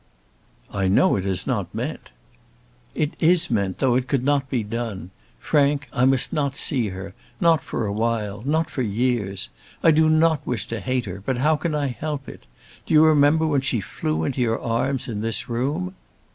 "I know it is not meant." "It is meant, though it could not be done. Frank, I must not see her, not for awhile; not for years. I do not wish to hate her, but how can I help it? Do you remember when she flew into your arms in this room?"